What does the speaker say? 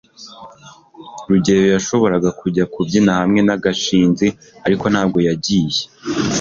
rugeyo yashoboraga kujya kubyina hamwe na gashinzi, ariko ntabwo yagiye